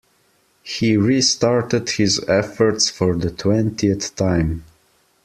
He restarted his efforts for the twentieth time.